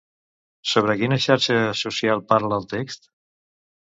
Sobre quina xarxa social parla el text?